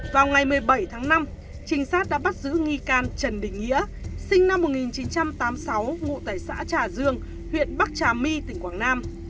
vào ngày một mươi bảy tháng năm trinh sát đã bắt giữ nghi can trần đình nghĩa sinh năm một nghìn chín trăm tám mươi sáu ngụ tại xã trà dương huyện bắc trà my tỉnh quảng nam